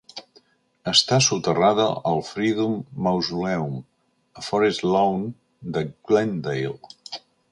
Està soterrada al Freedom Mausoleum, a Forest Lawn de Glendale.